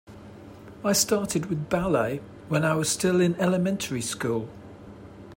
I started with ballet when I was still in elementary school.